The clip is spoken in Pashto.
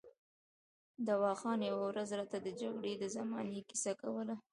دوا خان یوه ورځ راته د جګړې د زمانې کیسه کوله.